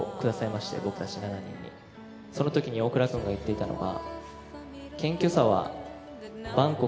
その時に大倉くんが言っていたのが。